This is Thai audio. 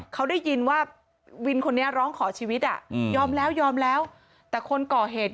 เขาได้ยินว่าวินคนนี้ร้องขอชีวิตอ่ะยอมแล้วยอมแล้วแต่คนก่อเหตุ